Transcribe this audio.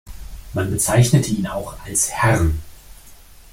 Man bezeichnete ihn auch als „Herrn“.